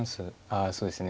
あそうですね。